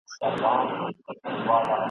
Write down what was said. شهرت هم یو څو شېبې وي د سړي مخ ته ځلیږي !.